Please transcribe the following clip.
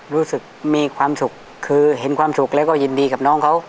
รู้สึกมีความสุขคือเห็นความสุขแล้วก็ยินดีกับน้องเขา